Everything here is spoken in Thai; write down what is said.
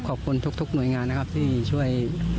ขอบคุณทุกหน่วยงานที่ช่วย